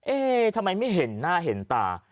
เอ๊ะทำไมไม่เห็นหน้าเห็นตา